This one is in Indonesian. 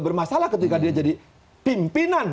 bermasalah ketika dia jadi pimpinan